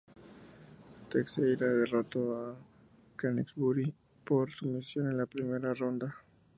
Teixeira derrotó a Kingsbury por sumisión en la primera ronda.